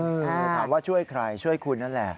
ถามว่าช่วยใครช่วยคุณนั่นแหละ